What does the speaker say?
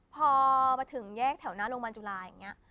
พอมาถึงแยกแถวหน้าโรงพยาบาลจุฬาอย่างนี้